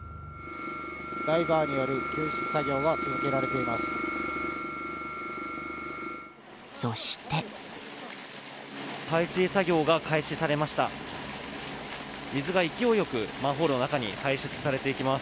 ダイバーによる救出作業が続けられています。